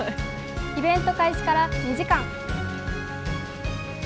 イベント開始から２時間。